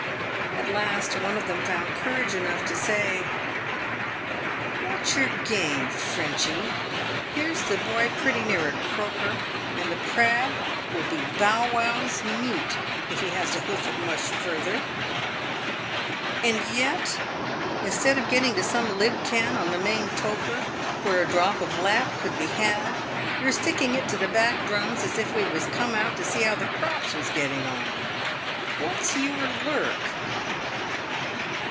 At last one of them found courage enough to say, " What's your game, Frenchy ? Here's the boy pretty near a croaker, and the prad will be bow wow's meat if he has to hoof it much further, and yet, instead of getting to some libb ken, on the main toper, where a drop of lap could be had, you're sticking to the back drums as if we was come out to see how the crops was getting on. What's your lurk?"